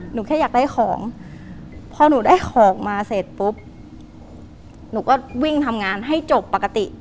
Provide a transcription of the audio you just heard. หนูแค่อยากได้ของพอหนูได้ของมาเสร็จปุ๊บหนูก็วิ่งทำงานให้จบปกติ